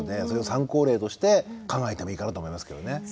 それを参考例として考えてもいいかなと思いますけどね。